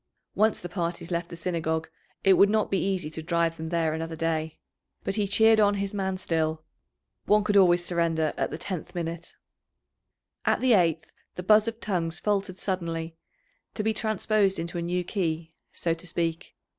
Once the parties left the Synagogue it would not be easy to drive them there another day. But he cheered on his man still one could always surrender at the tenth minute. At the eighth the buzz of tongues faltered suddenly, to be transposed into a new key, so to speak.